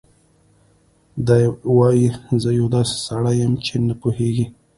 دی وايي: "زه یو داسې سړی یم چې نه پوهېږي